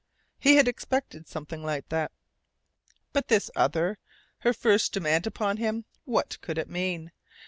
He had expected something like that. But this other her first demand upon him! What could it mean?